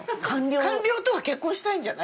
官僚とは結婚したいんじゃない？